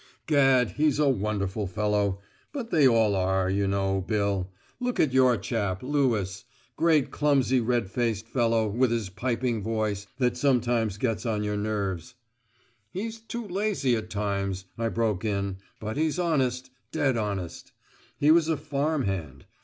"Gad, he's a wonderful fellow. But they all are, you know, Bill. Look at your chap, Lewis; great clumsy red faced fellow, with his piping voice, that sometimes gets on your nerves." "He's too lazy at times," I broke in; "but he's honest, dead honest. He was a farm hand!